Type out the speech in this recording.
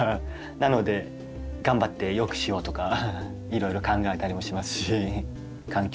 なので頑張って良くしようとかいろいろ考えたりもしますし環境